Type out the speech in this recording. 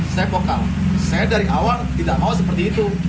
saya vokal saya dari awal tidak mau seperti itu